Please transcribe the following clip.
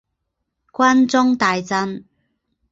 关中大震。